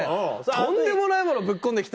とんでもないものぶっ込んで来てますね。